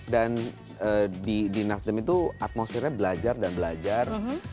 di nasdem itu atmosfernya belajar dan belajar